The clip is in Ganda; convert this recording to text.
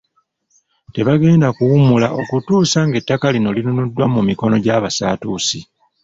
Tebagenda kuwummula okutuusa ng'ettaka lino linunuddwa mu mikono gy'abasatuusi.